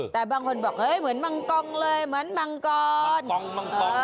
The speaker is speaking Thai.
แต่บางคนบอกเหมือนมังกองเลยเหมือนมังกอรส